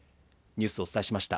ニュースをお伝えしました。